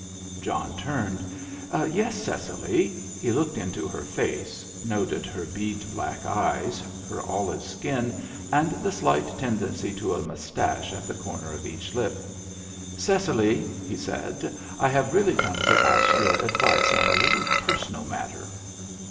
John turned. "Yes, Cecily." He looked into her face, noted her bead black eyes, her olive skin, and the slight tendency to a moustache at the corner of each lip. "Cecily," he said, "I have really come to ask your advice on a little personal matter."